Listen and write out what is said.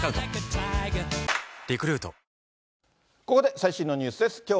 ここで最新のニュースです。